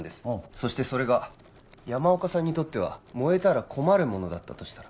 そしてそれが山岡さんにとっては燃えたら困る物だったとしたら？